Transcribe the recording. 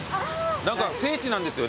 何か聖地なんですよね。